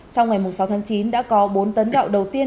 sau ngày sáu tháng chín đã có bốn tấn gạo đầu tiên